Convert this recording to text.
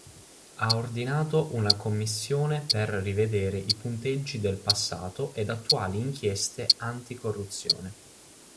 Ha ordinato una commissione per rivedere i punteggi del passato ed attuali inchieste anti-corruzione.